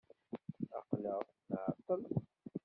Aqel-aɣ nɛeṭṭel.